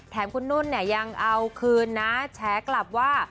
คุณนุ่นเนี่ยยังเอาคืนนะแชร์กลับว่า